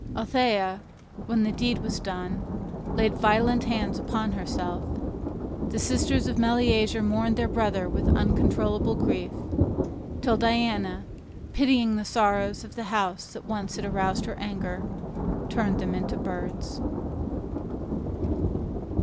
Althea, when the deed was done, laid violent hands upon herself. The sisters of Meleager mourned their brother with uncontrollable grief; till Diana, pitying the sorrows of the house that once had aroused her anger, turned them into birds.